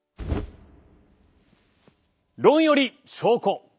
「論より証拠」。